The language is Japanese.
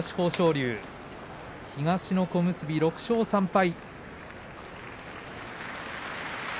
龍東の小結、６勝３敗。